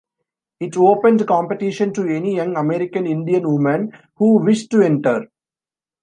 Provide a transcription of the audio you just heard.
It opened competition to any young American Indian woman who wished to enter.